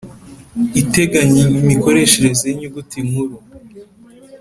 iteganya imikoreshereze y’inyuguti nkuru